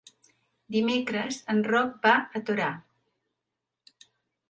Dimecres en Roc va a Torà.